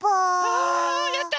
あやった！